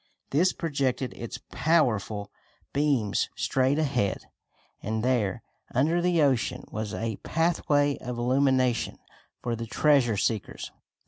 This projected its powerful beams straight ahead and there, under the ocean, was a pathway of illumination for the treasure seekers.